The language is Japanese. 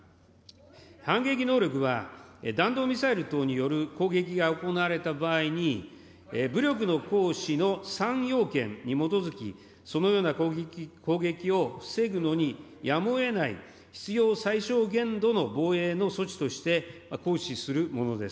反撃能力は弾道ミサイル等による攻撃が行われた場合に、武力の行使の３要件に基づき、そのような攻撃を防ぐのにやむをえない、必要最小限度の防衛の措置として、行使するものです。